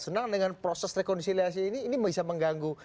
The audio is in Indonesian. senang dengan proses rekonsiliasi ini ini bisa mengganggu